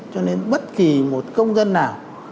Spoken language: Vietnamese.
cho nên bất kỳ một công dân nào